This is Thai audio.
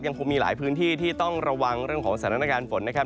คงมีหลายพื้นที่ที่ต้องระวังเรื่องของสถานการณ์ฝนนะครับ